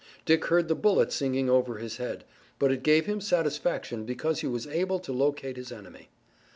Dick heard the bullet singing over his head, but it gave him satisfaction because he was able to locate his enemy.